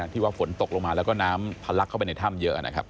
ที่ว่าฝนตกลงมาแล้วก็น้ำทะลักเข้าไปในถ้ำเยอะนะครับ